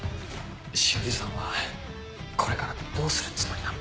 詩織さんはこれからどうするつもりなの？